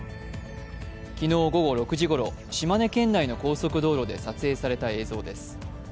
昨日午後６時ごろ、島根県内の高速道路で撮影された映像です。